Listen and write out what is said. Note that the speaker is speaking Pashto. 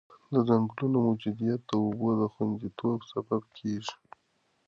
د ځنګلونو موجودیت د اوبو د خونديتوب سبب کېږي.